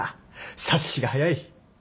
察しが早い。